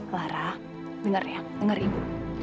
clara dengar ya dengar ibu